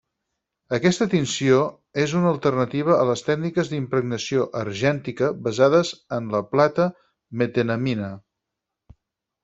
Aquesta tinció és una alternativa a les tècniques d'impregnació argèntica basades en la plata metenamina.